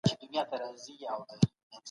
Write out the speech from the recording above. د کوچني په مرستې سره مي خپلي کوڅې ولیدې.